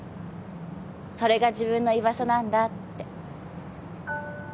それが自分の居場所なんだって。